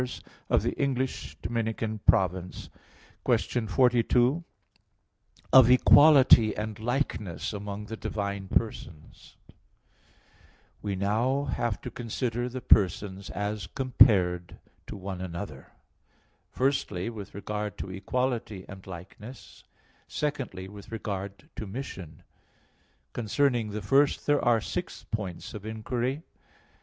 \_______________________ QUESTION 42 OF EQUALITY AND LIKENESS AMONG THE DIVINE PERSONS (In Six Articles) We now have to consider the persons as compared to one another: firstly, with regard to equality and likeness; secondly, with regard to mission. Concerning the first there are six points of inquiry.